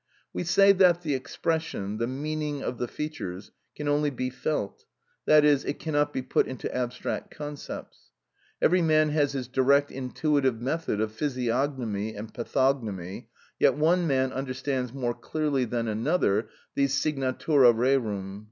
We say that the expression, the meaning of the features, can only be felt, that is, it cannot be put into abstract concepts. Every man has his direct intuitive method of physiognomy and pathognomy, yet one man understands more clearly than another these signatura rerum.